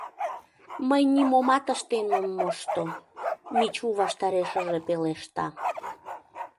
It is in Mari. — Мый нимомат ыштен ом мошто, — Мичу ваштарешыже пелешта.